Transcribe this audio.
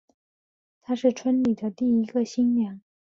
她是村里第一个新娘